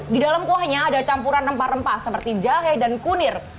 di dalam kuahnya ada campuran rempah rempah seperti jahe dan kunir